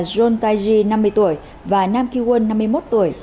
john taiji năm mươi tuổi và nam ki won năm mươi một tuổi